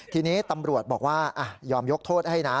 ทีนี้ตำรวจบอกว่ายอมยกโทษให้นะ